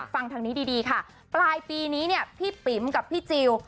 ฟังทางนี้ดีค่ะปลายปีนี้เนี่ยพี่ปิ๋มกับพี่จิล